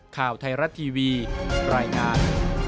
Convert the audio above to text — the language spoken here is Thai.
ข่าวไทยรัฐทีวีรายงาน